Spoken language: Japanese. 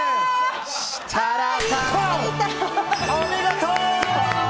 設楽さん、お見事！